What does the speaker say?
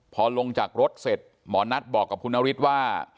พอลงจากรถเสร็จหมอนัทบอกกับคุณนฤทธิ์ว่า